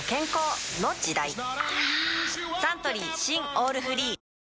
ぷはぁサントリー新「オールフリー」